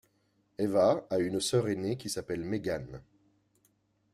Eva a une sœur aînée qui s'appelle Megan.